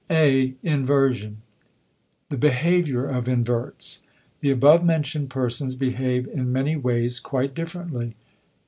A. Inversion *The Behavior of Inverts.* The above mentioned persons behave in many ways quite differently.